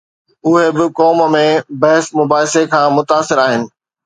اهي به قوم ۾ بحث مباحثي کان متاثر آهن.